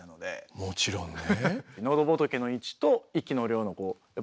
もちろんね。